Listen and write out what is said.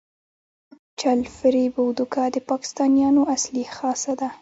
چل، فریب او دوکه د پاکستانیانو اصلي خاصه ده.